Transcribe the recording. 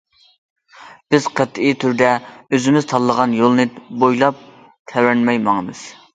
بىز قەتئىي تۈردە ئۆزىمىز تاللىغان يولنى بويلاپ تەۋرەنمەي ماڭىمىز.